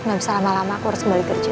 gak bisa lama lama aku harus kembali kerja